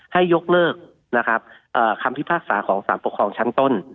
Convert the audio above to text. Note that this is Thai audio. ให้ยกเลิกนะครับคำพิพากษาของสารปกครองชั้นต้น